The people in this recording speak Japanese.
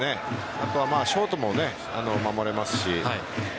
あとはショートも守れますし。